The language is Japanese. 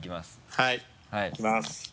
はいいきます。